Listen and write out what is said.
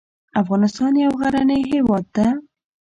افغانستان یو غرنې هیواد ده